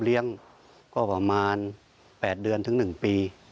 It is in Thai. เลี้ยงก็ประมาณ๘เดือนถึง๑ปี